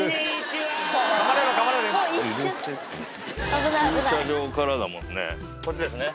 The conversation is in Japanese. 駐車場からだもんね。